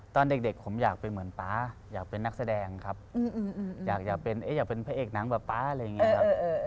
ตอนเด็กผมอยากเป็นเหมือนป๊าอยากเป็นนักแสดงครับอยากเป็นพระเอกหนังแบบป๊าอะไรอย่างนี้ครับ